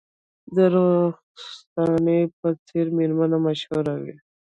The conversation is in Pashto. د رخسانې په څیر میرمنې مشهورې وې